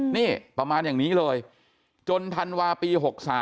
นี่ประมาณอย่างนี้เลยจนธันวาปี๖๓